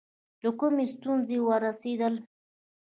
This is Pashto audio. له کومې ستونزې ورسېدله.